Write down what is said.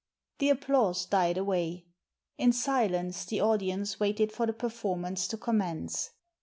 The applause died away. In silence the audience waited for the performance to commence.